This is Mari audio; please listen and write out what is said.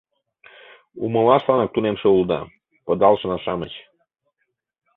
— Умылашланак тунемше улыда, пыдалшына-шамыч...